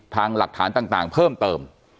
หลักฐานต่างเพิ่มเติม